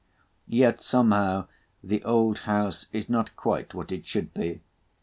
Yet somehow the old house is not quite what it should be.